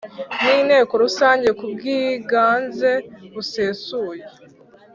n inteko Rusange ku bw iganze busesuye